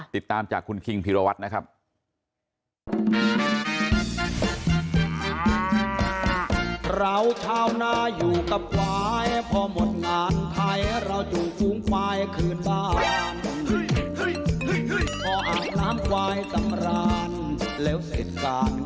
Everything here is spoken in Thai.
ติดตามจากคุณคิงพิรวัตรนะครับ